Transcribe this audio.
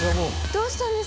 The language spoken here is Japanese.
どうしたんですか？